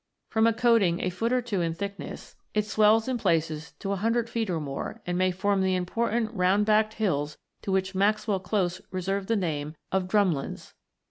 From a coating a foot or two in thickness, it swells in places 98 ROCKS AND THEIR ORIGINS [CH. to a hundred feet or more, and may form the impor tant round backed hills to which Maxwell Close reserved the name of drumlins.